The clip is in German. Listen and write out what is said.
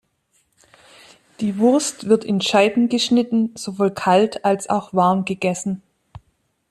Die Wurst wird, in Scheiben geschnitten, sowohl kalt als auch warm gegessen.